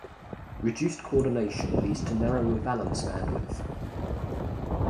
Reduced coordination leads to narrower valence bandwidth.